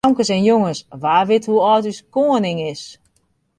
Famkes en jonges, wa wit hoe âld as ús koaning is?